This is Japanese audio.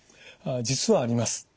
実はあります。